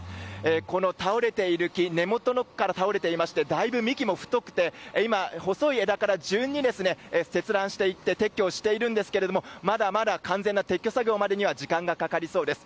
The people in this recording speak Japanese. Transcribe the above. この倒れている木根元から倒れていましてだいぶ、幹も太くて今、細い枝から順に切断していって撤去をしているんですがまだまだ完全な撤去作業までには時間がかかりそうです。